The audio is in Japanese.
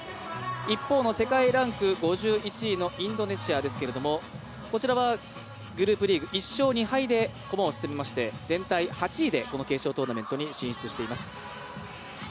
一方の、世界ランキング５１位のインドネシアですがこちらはグループリーグ１勝２敗で駒を進めまして、全体８位で決勝トーナメントに進出しています。